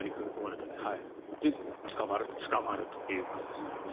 で、捕まるということですからね。